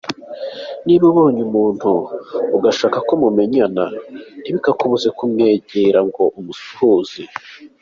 Niba ubonye umuntu ugashaka ko mumenyana, ntibikakubuze kumwegera ngo umusuhuze.